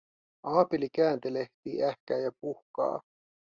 Aapeli kääntelehtii, ähkää ja puhkaa.